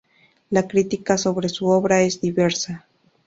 La crítica sobre su obra es diversa.